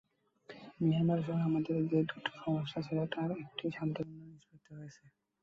মিয়ানমারের সঙ্গে আমাদের যে দুটো সমস্যা ছিল তার একটির শান্তিপূর্ণ নিষ্পত্তি হয়েছে।